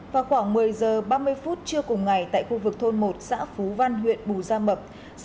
vào khoảng một mươi giờ ba mươi phút trưa cùng ngày tại khu vực thôn một xã phú văn huyện bù gia mập